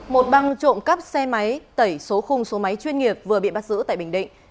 một băng trộm cắp xe máy tẩy số khung số máy chuyên nghiệp vừa bị bắt giữ tại bình định